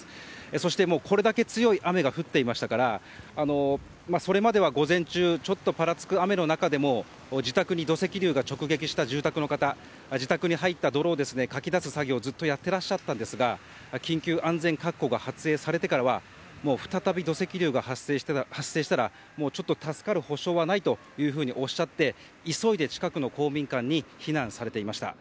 そしてこれだけ強い雨が降っていましたからそれまでは午前中ちょっとぱらつく雨の中でも自宅に土石流が直撃した住宅の方自宅に入った泥をかき出す作業をずっとやってらっしゃったんですが緊急安全確保が発令されてからは再び土石流が発生したら助かる保証はないとおっしゃって急いで近くの公民館に避難されていました。